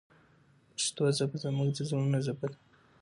پښتو ژبه زموږ د زړونو ژبه ده.